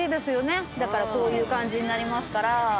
だからこういう感じになりますから。